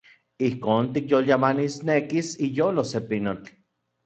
Ijkon tikyolyamanisnekis iyolo se pinotl.